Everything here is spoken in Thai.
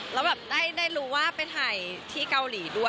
แล้วแบบได้รู้ว่าไปถ่ายที่เกาหลีด้วย